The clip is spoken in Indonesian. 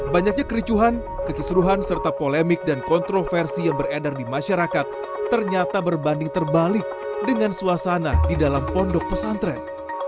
banyaknya kericuhan kekisruhan serta polemik dan kontroversi yang beredar di masyarakat ternyata berbanding terbalik dengan suasana di dalam pondok pesantren